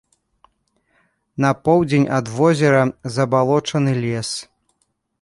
На поўдзень ад возера забалочаны лес.